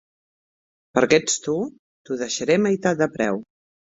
Perquè ets tu, t'ho deixaré a meitat de preu.